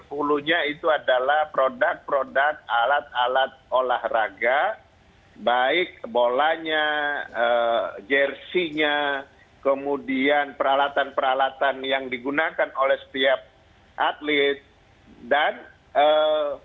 hulunya itu adalah produk produk alat alat olahraga baik bolanya jersinya kemudian peralatan peralatan yang digunakan oleh setiap atlet dan eee